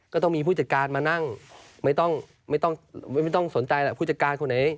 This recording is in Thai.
ก็ต้องมีผู้จัดการมานั่งไม่ต้องสนใจผู้จัดการคนไหน